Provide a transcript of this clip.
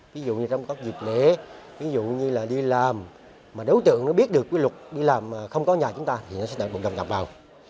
ví dụ như trong các dịch lễ ví dụ như là đi làm mà đối tượng nó biết được quy luật đi làm mà không có nhà chúng ta thì nó sẽ đợi bộ đồng nhập vào